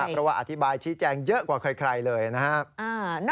เพราะว่าอธิบายชี้แจงเยอะกว่าใครเลยนะครับ